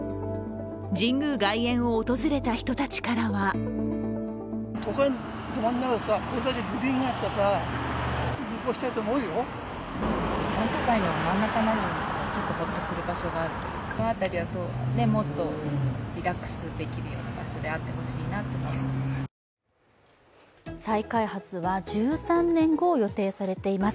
神宮外苑を訪れた人たちからは再開発は１３年後を予定されています。